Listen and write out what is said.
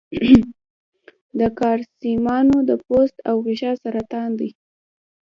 د کارسینوما د پوست او غشا سرطان دی.